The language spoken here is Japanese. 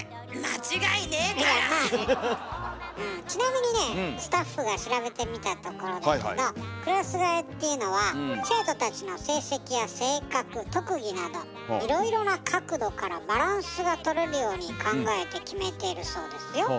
ちなみにねスタッフが調べてみたところだけどクラス替えっていうのは生徒たちの成績や性格特技などいろいろな角度からバランスがとれるように考えて決めてるそうですよ。